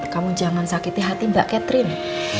kamu jangan sakiti hati mbak catherine